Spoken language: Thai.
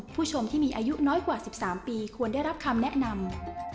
ผู้ชมที่มีอายุน้อยกว่า๑๓ปีควรได้รับคำแนะนำ